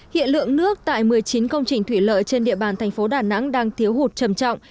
hiện lượng nước tại một mươi chín công trình thủy lợi trên địa bàn thành phố đà nẵng đang thiếu hụt trầm trọng